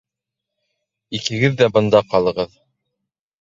Икегеҙ ҙә бында ҡалығыҙ.